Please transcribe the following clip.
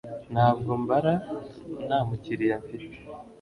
Ntabwo mbara nta mukiriya mfite